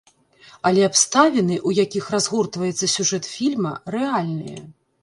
Але абставіны, у якіх разгортваецца сюжэт фільма, рэальныя.